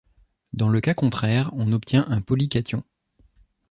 Dans le cas contraire, on obtient un polycation.